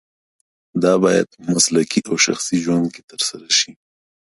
دا باید په مسلکي او شخصي ژوند کې ترسره شي.